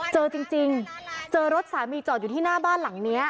เจอจริงเจอรถสามีจอดอยู่ที่หน้าบ้านหลังนี้